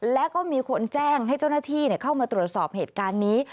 แล้วก็มีคนแจ้งให้เจ้าหน้าที่เข้ามาตรวจสอบเหตุการณ์นี้